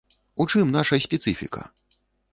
У чым наша спецыфіка?